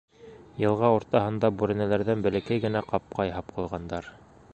Йылға уртаһында бүрәнәләрҙән бәләкәй генә ҡапҡа яһап ҡуйғандар.